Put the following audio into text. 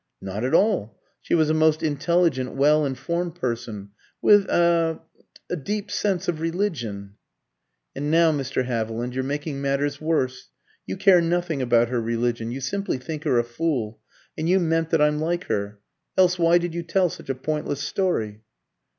"Not at all; she was a most intelligent, well informed person, with er a deep sense of religion." "And now, Mr. Haviland, you're making matters worse. You care nothing about her religion; you simply think her a fool, and you meant that I'm like her. Else why did you tell such a pointless story?"